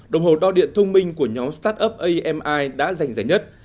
đồng hồ đo điện thông minh của nhóm startup ami đã giành giải nhất